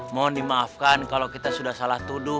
mohon dimaafkan kalau kita sudah salah tuduh